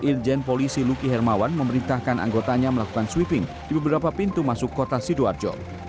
irjen polisi luki hermawan memerintahkan anggotanya melakukan sweeping di beberapa pintu masuk kota sidoarjo